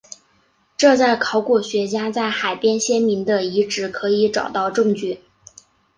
这在考古学家在海边先民的遗迹可以找到证据。